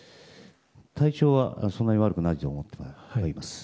体調はそんなに悪くないと思ってはいます。